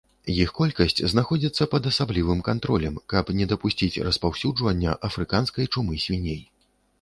Іх колькасць знаходзіцца пад асаблівым кантролем, каб не дапусціць распаўсюджвання афрыканскай чумы свіней.